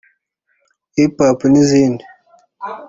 Hiphop n’izindi